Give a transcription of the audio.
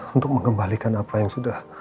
untuk mengembalikan apa yang sudah